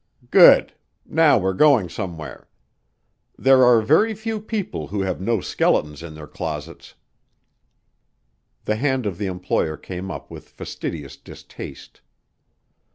"Good! Now, we're going somewhere. There are very few people who have no skeletons in their closets." The hand of the employer came up with fastidious distaste.